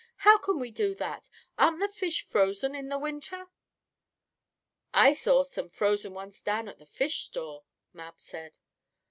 "How can we do that? Aren't the fish frozen in the winter?" "I saw some frozen ones down at the fish store," Mab said.